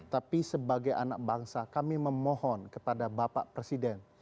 tapi sebagai anak bangsa kami memohon kepada bapak presiden